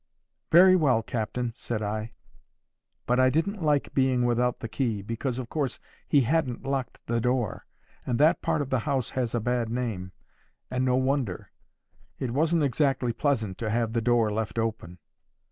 —"Very well, captain," said I. But I didn't like being without the key, because of course he hadn't locked the door, and that part of the house has a bad name, and no wonder. It wasn't exactly pleasant to have the door left open.